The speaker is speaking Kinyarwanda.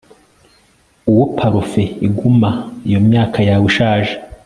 Uwo parufe iguma iyo imyaka yawe ishaje